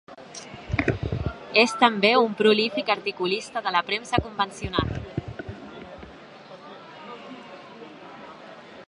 És també un prolífic articulista de la premsa convencional.